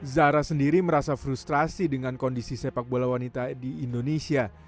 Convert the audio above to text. zara sendiri merasa frustrasi dengan kondisi sepak bola wanita di indonesia